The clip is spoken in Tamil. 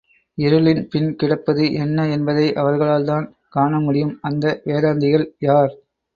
இருளின் பின் கிடப்பது என்ன என்பதை அவர்களால்தான் காண முடியும்! அந்த வேதாந்திகள் யார்?